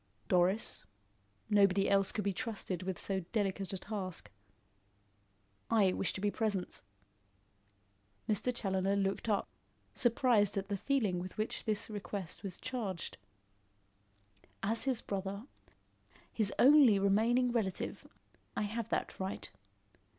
"Doris. Nobody else could be trusted with so delicate a task." "I wish to be present." Mr. Challoner looked up, surprised at the feeling with which this request was charged. "As his brother his only remaining relative, I have that right.